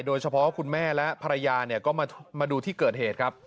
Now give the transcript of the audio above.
โดยเฉพาะคุณแม่และภรรยาก็มาดูที่เกิดเหตุครับ